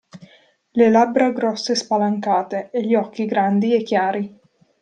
Le labbra grosse spalancate, e gli occhi grandi e chiari.